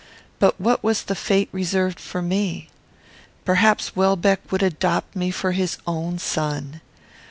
But what was the fate reserved for me? Perhaps Welbeck would adopt me for his own son.